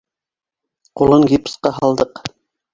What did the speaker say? Ҡулын гипсҡа һалдыҡ